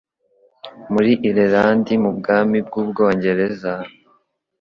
muri Ireland mu bwami bw'u Bwongereza,